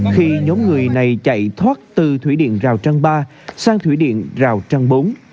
khi nhóm người này chạy thoát từ thủy điện rào trang ba sang thủy điện rào trang bốn